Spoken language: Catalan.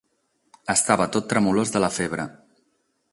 Estava tot tremolós de la febre.